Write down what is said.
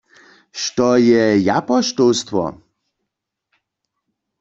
Što je japoštołstwo?